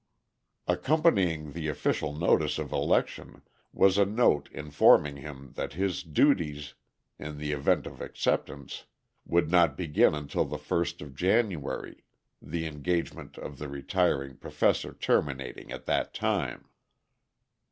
Accompanying the official notice of election was a note informing him that his duties, in the event of acceptance, would not begin until the first of January, the engagement of the retiring professor terminating at that time.